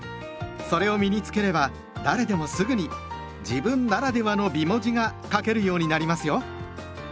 それを身に付ければ誰でもすぐに「自分ならではの美文字」が書けるようになりますよ。